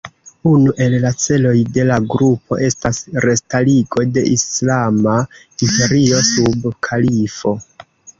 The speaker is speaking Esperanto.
Unu el la celoj de la grupo estas restarigo de islama imperio sub kalifo.